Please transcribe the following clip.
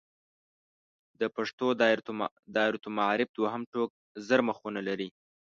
د پښتو دایرة المعارف دوهم ټوک زر مخونه لري.